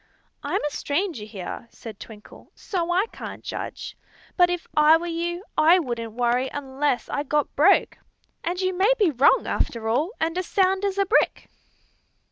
"I'm a stranger here," said Twinkle; "so I can't judge. But if I were you, I wouldn't worry unless I got broke; and you may be wrong, after all, and as sound as a brick!"